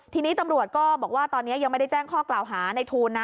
ทีนี้ตำรวจก็บอกว่าตอนนี้ยังไม่ได้แจ้งข้อกล่าวหาในทูลนะ